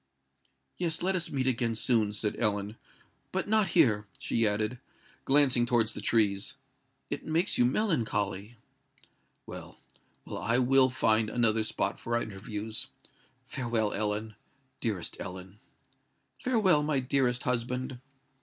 "Yes—let us meet again soon," said Ellen; "but not here," she added, glancing towards the trees. "It makes you melancholy." "Well—well: I will find another spot for our interviews. Farewell, Ellen—dearest Ellen." "Farewell, my dearest husband."